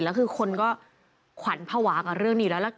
แล้วคือคนก็ขวัญภาวะกับเรื่องนี้อยู่แล้วล่ะ